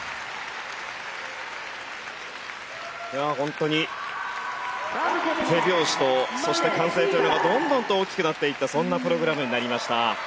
いやあ本当に手拍子とそして歓声というのがどんどんと大きくなっていったそんなプログラムになりました。